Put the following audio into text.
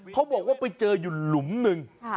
เขาบอกว่าไปเจออยู่หลุมหนึ่ง